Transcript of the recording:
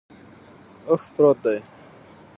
اوښ پروت دے